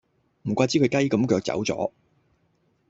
唔怪之佢雞咁腳走左